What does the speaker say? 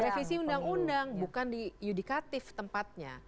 revisi undang undang bukan diudikatif tempatnya